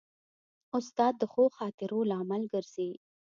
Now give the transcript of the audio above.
استاد د ښو خاطرو لامل ګرځي.